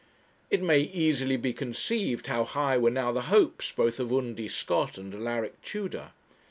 It may easily be conceived how high were now the hopes both of Undy Scott and Alaric Tudor.